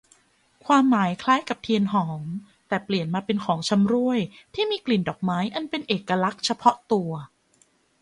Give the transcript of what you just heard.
ความหมายคล้ายกับเทียนหอม แต่เปลี่ยนมาเป็นของชำร่วยที่มีกลิ่นดอกไม้อันเป็นเอกลักษณ์เฉพาะตัว